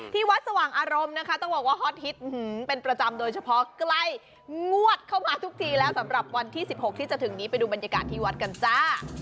ที่วัดสว่างอารมณ์นะคะต้องบอกว่าฮอตฮิตเป็นประจำโดยเฉพาะใกล้งวดเข้ามาทุกทีแล้วสำหรับวันที่๑๖ที่จะถึงนี้ไปดูบรรยากาศที่วัดกันจ้า